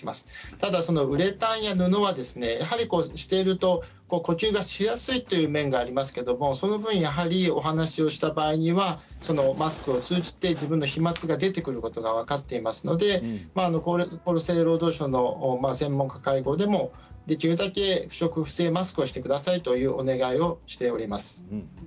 ただウレタンや布はしていると呼吸がしやすいという面がありますけれども、その分やはりお話をした場合にはマスクを通じて自分の飛まつが出てくることが分かっていますので厚生労働省の専門家会合でもできるだけ不織布製マスクをしてくださいっていうお願いをしております。